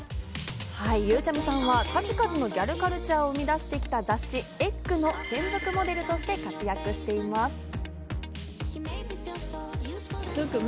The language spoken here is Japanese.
ゆうちゃみさんは数々のギャルカルチャーを生み出してきた雑誌『ｅｇｇ』の専属モデルとして活躍しています。